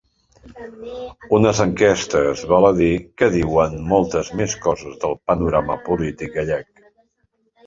Unes enquestes, val a dir, que diuen moltes més coses del panorama polític gallec.